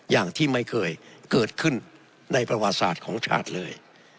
อย่างที่ไม่เคยเกิดขึ้นในประวัติศาสตร์ของชาติเลย